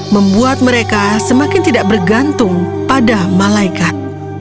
membuat mereka semakin tidak bergantung pada malaikat